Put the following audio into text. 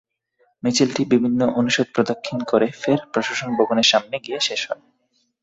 মিছিলটি বিভিন্ন অনুষদ প্রদক্ষিণ করে ফের প্রশাসন ভবনের সামনে গিয়ে শেষ হয়।